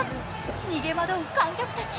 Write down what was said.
逃げ惑う観客たち。